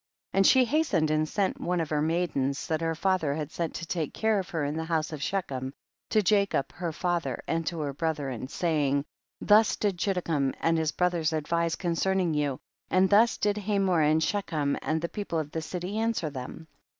20. And she hastened and sent one of her maidens, that her father had sent to take care of her in the house of Shechem, to Jacob her fa ther and to her brethern, saying : 21. Thus did Chiddekem and his brothers advise concerning you, and thus did Hamor and Shechem and the people of the city answer them.